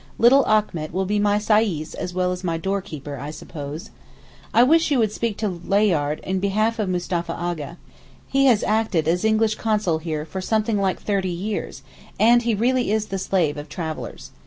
Little Achmet will be my sais as well as my door keeper, I suppose. I wish you would speak to Layard in behalf of Mustapha A'gha. He has acted as English Consul here for something like thirty years, and he really is the slave of the travellers.